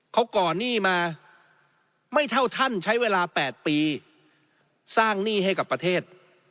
เขาก่อนหนี้มาไม่เท่าท่านใช้เวลา๘ปีสร้างหนี้ให้กับประเทศ